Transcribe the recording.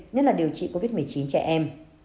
nhất là điều trị covid một mươi chín trẻ em